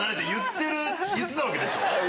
って言ってたわけでしょ。